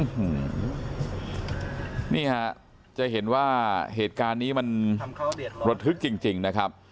อื้อหือนี่ฮะจะเห็นว่าเหตุการณ์นี้มันทำเข้าเบียดรถรถฮึกจริงจริงนะครับ